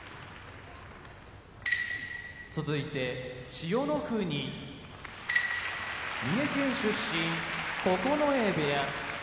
千代の国三重県出身九重部屋